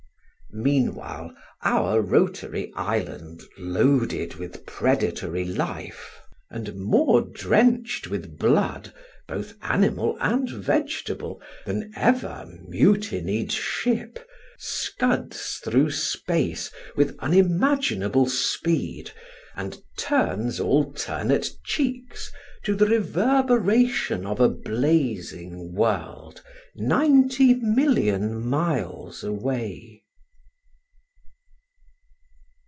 Meanwhile our rotary island loaded with predatory life, and more drenched with blood, both animal and vegetable, than ever mutinied ship, scuds through space with unimaginable speed, and turns alternate cheeks to the reverberation of a blazing world, ninety million miles away.